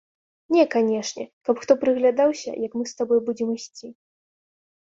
Не канечне, каб хто прыглядаўся, як мы з табой будзем ісці.